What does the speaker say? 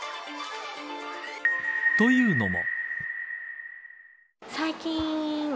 というのも。